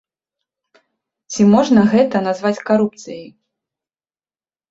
Ці можна гэта назваць карупцыяй?